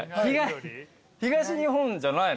東日本じゃないの？